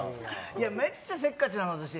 いや、めっちゃせっかちなの私。